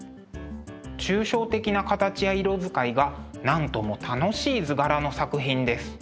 抽象的な形や色使いがなんとも楽しい図柄の作品です。